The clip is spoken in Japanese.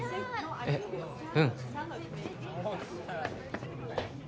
えっうん。